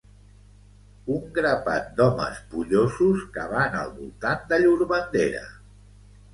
Un grapat d'homes pollosos cavant al voltant de llur bandera